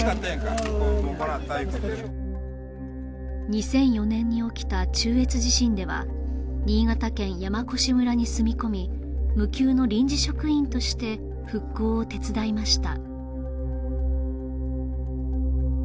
２００４年に起きた中越地震では新潟県山古志村に住み込み無給の臨時職員として復興を手伝いました